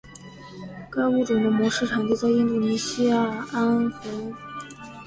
该物种的模式产地在印度尼西亚安汶。